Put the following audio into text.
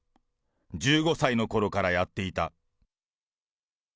１５歳のころからやっていた。